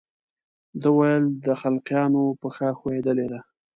ده ویل د خلقیانو پښه ښویېدلې ده.